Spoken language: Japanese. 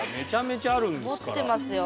持ってますよ。